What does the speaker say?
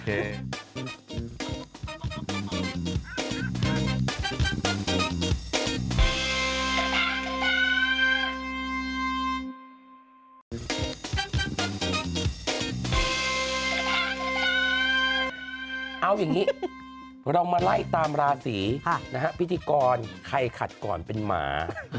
เอาอย่างนี้เรามาไล่ตามราศีนะฮะพิธีกรใครขัดก่อนเป็นหมา